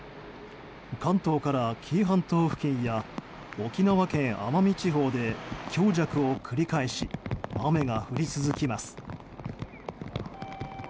関東から紀伊半島付近や沖縄県、奄美地方で強弱を繰り返し雨が降り続きます。